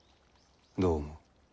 どう思う？